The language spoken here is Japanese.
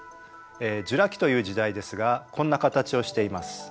ジュラ紀という時代ですがこんな形をしています。